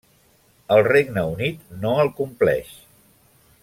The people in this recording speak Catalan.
El Regne Unit no el compleix.